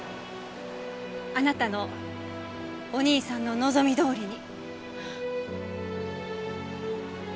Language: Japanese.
あなたのお兄さんの望みどおりに。